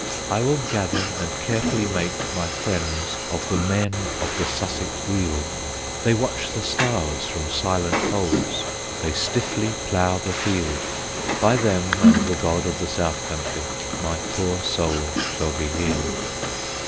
I will gather and carefully make my friends Of the men of the Sussex Weald, They watch the stars from silent folds, They stiffly plough the field. By them and the God of the South Country My poor soul shall be healed.